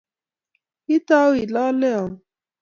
Kitau ilale au?